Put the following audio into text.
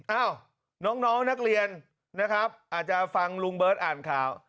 เอ้าน้องนักเรียนนะครับอาจจะฟังลุงเบิร์ตอ่านข่าว